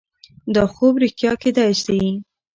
دا خوب رښتیا کیدای شي.